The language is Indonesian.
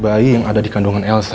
bayi yang ada di kandungan elsa